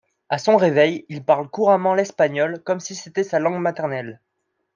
À son réveil, il parle couramment l'espagnol comme si c'était sa langue maternelle.